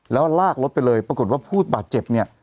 แล้วลากรถไปเลยปรากฏว่าผู้บาดเจ็บเนี่ย